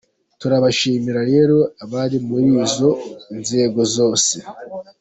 Turabibashimira rero abari muri izo nzego zose.